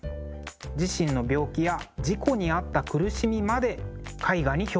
自身の病気や事故に遭った苦しみまで絵画に表現しています。